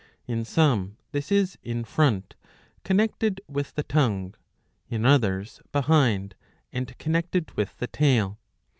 In some this is in front, connected with the tongue, in others behind and connected with the tail.